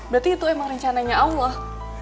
berarti itu emang rencananya allah